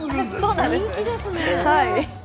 人気ですね。